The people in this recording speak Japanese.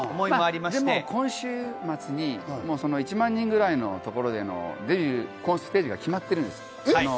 今週末に１万人ぐらいの所でのデビューステージが決まってるんです。